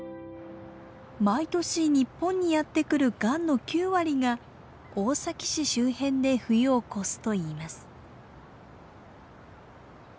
毎年日本にやって来るガンの９割が大崎市周辺で冬を越すといいます。